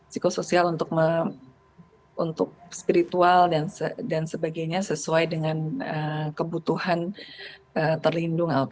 psikosoial untuk spiritual dan sebagainya sesuai dengan kebutuhan terlindung